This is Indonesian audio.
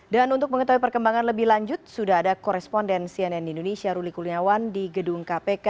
dan untuk mengetahui perkembangan lebih lanjut sudah ada koresponden cnn indonesia ruli kuliawan di gedung kpk